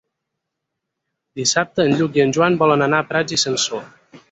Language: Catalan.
Dissabte en Lluc i en Joan volen anar a Prats i Sansor.